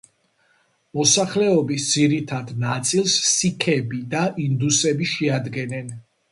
მოსახლეობის ძირითად ნაწილს სიქები და ინდუსები შეადგენენ.